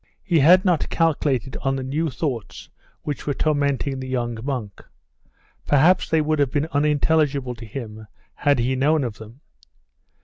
He had not calculated on the new thoughts which were tormenting the young monk; perhaps they would have been unintelligible to him bad he known of them.